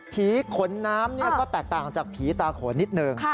ขนน้ำก็แตกต่างจากผีตาโขนนิดหนึ่ง